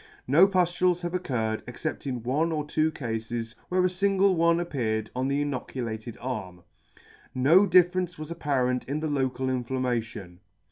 No puflules have occurred, except in one or two cafes, where a fingle one appeared on the inoculated arm. No difference was apparent in the local inflammation.